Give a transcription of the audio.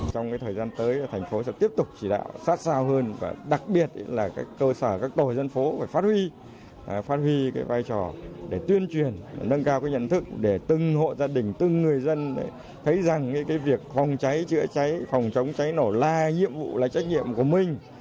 trong thời gian tới tp sẽ tiếp tục chỉ đạo sát sao hơn và đặc biệt là cơ sở các tổ dân phố phải phát huy phát huy cái vai trò để tuyên truyền nâng cao cái nhận thức để từng hộ gia đình từng người dân thấy rằng cái việc phòng cháy chữa cháy phòng chống cháy nó là nhiệm vụ là trách nhiệm của mình